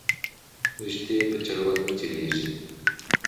رشتې په چل ول نه چلېږي